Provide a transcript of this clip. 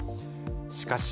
しかし